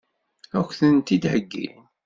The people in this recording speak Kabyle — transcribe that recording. Ad k-tent-id-heggin?